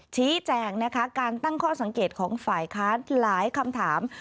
ชี้แจงนะคะการตั้งข้อสังเกตของฝ่ายค้านหลายคำถาม